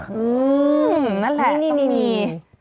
นั่นแหละต้องมี